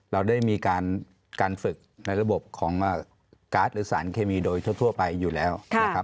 เราได้มีการฝึกในระบบของการ์ดหรือสารเคมีโดยทั่วไปอยู่แล้วนะครับ